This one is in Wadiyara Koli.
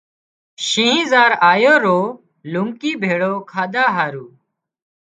شينهن زار آيو رو لونڪي ڀيۯو کاڌا هارو